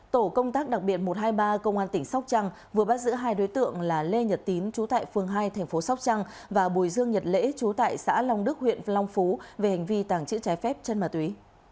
tổ công tác đặc biệt một trăm hai mươi ba công an tỉnh sóc trăng vừa bắt giữ hai đối tượng là lê nhật tín chú tại phương hai tp sóc trăng và bùi dương nhật lễ chú tại xã long đức huyện long phú về hành vi tàng trữ trái phép chân mà tuy